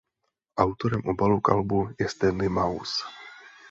Autorem obalu k albu je Stanley Mouse.